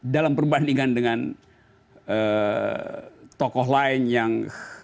dalam perbandingan dengan tokoh lain yang